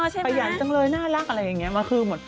เออใช่ไหมพยายามจังเลยน่ารักอะไรอย่างเงี้ยมันคือเหมือน